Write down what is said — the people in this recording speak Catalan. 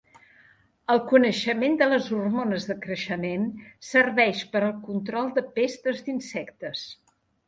El coneixement de les hormones de creixement serveix per al control de pestes d'insectes.